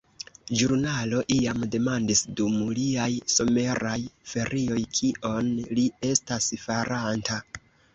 Ĵurnalo iam demandis, dum liaj someraj ferioj, kion li estas faranta.